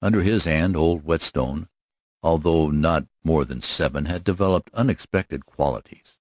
Under his hand old Whetstone although not more than seven had developed unexpected qualities.